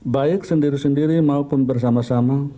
baik sendiri sendiri maupun bersama sama